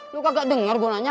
lo kagak denger gue nanya